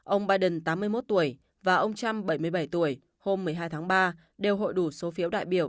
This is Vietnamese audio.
ông biden tám mươi một tuổi và ông trump bảy mươi bảy tuổi hôm một mươi hai tháng ba đều hội đủ số phiếu đại biểu